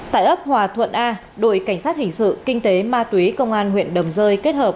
tại ấp hòa thuận a đội cảnh sát hình sự kinh tế ma túy công an huyện đầm rơi kết hợp